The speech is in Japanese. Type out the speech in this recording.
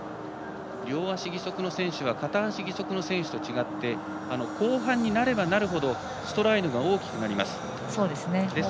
両足義足の選手は片足義足の選手と違って後半になればなるほどストライドが大きくなります。